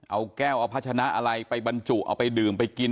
เอาแก้วเอาพัชนะอะไรไปบรรจุเอาไปดื่มไปกิน